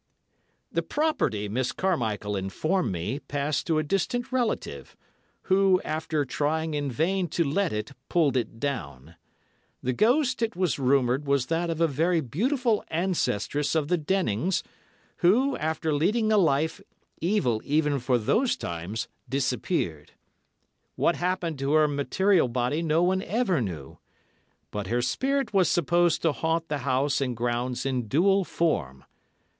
The property, Miss Carmichael informed me, passed to a distant relative, who, after trying in vain to let it, pulled it down. The ghost, it was rumoured, was that of a very beautiful ancestress of the Dennings, who, after leading a life, evil even for those times, disappeared. What happened to her material body no one ever knew, but her spirit was supposed to haunt the house and grounds in dual form.